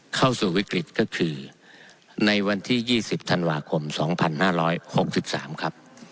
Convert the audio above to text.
เข้าสู่วิกฤตก็คือในวันที่๒๐ธันวาคม๒๕๖๓ครับ